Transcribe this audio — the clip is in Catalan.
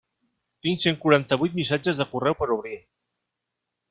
Tinc cent quaranta-vuit missatges de correu per obrir.